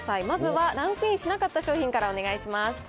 まずはランクインしなかった商品からお願いします。